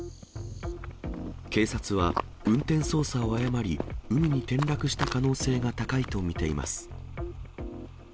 警察は運転操作を誤り、海に転落した可能性が高いと見ています。